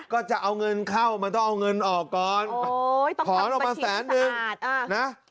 ก็จะเอาเงินเข้ามันต้องเอาเงินออกก่อนถอนออกมาแสนนึงนะ